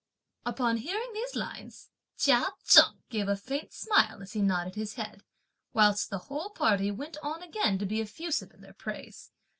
Upon hearing these lines, Chia Cheng gave a faint smile, as he nodded his head, whilst the whole party went on again to be effusive in their praise.